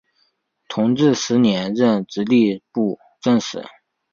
同治十年任直隶布政使。